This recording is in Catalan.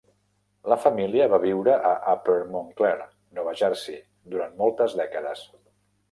La família va viure a Upper Montclair, Nova Jersey, durant moltes dècades.